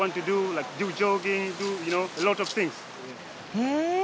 へえ。